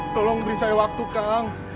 tolong beri saya waktu kang